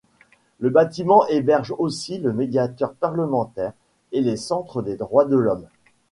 Le bâtiment héberge aussi le médiateur parlementaire et le centre des droits de l'homme.